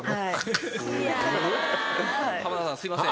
浜田さんすいません。